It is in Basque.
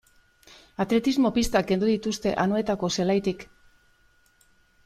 Atletismo-pistak kendu dituzte Anoetako zelaitik.